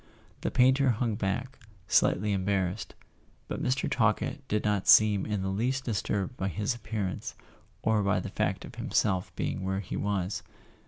The painter hung back, slightly embarrassed; but Mr. Talkett did not seem in the least disturbed by his appear¬ ance, or by the fact of himself being where he was.